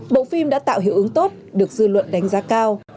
bộ phim đã tạo hiệu ứng tốt được dư luận đánh giá cao